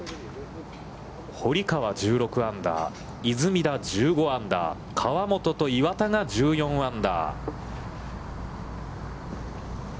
堀川１６アンダー、出水田１５アンダー、河本と岩田が１４アンダー。